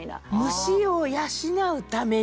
虫を養うために。